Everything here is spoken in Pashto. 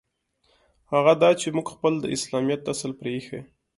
هغه دا چې موږ خپل د اسلامیت اصل پرېیښی.